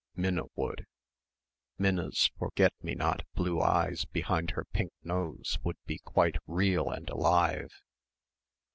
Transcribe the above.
Minna would. Minna's forget me not blue eyes behind her pink nose would be quite real and alive....